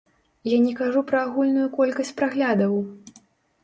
Я не кажу пра агульную колькасць праглядаў!